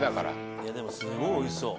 でもすごいおいしそう。